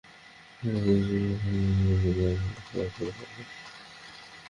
বিশ্ব অর্থনীতির গতি পুনরুদ্ধারে কিছুটা শঙ্কা থাকার পরও এখন আশার আলো পরিলিক্ষত হচ্ছে।